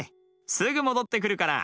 すぐもどってくるから。